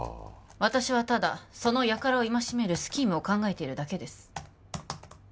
私はただその輩を戒めるスキームを考えているだけです